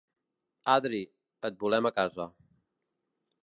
Adri, et volem a casa